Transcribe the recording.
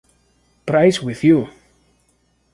Prize With you!